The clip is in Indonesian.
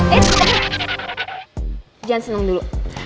jangan seneng dulu